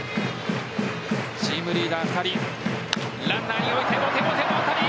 チームリーダー２人ランナーに置いてボテボテの当たり。